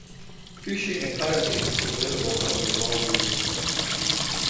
Fishing and kayaking is available on the Rahway River.